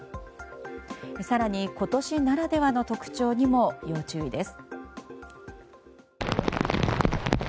更に、今年ならではの特徴にも要注意です。